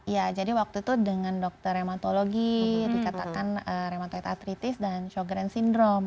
iya jadi waktu itu dengan dokter reumatologi dikatakan reumatoid artritis dan sjogren's syndrome